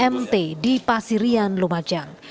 mt di pasirian lumajang